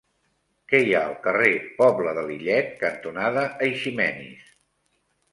Què hi ha al carrer Pobla de Lillet cantonada Eiximenis?